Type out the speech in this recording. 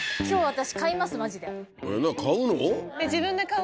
今日私買いますマジで。